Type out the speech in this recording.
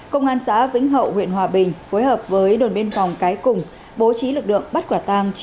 công an xã vĩnh hậu huyện hòa bình phối hợp với đồn biên phòng cái cùng bố trí lực lượng bắt quả tang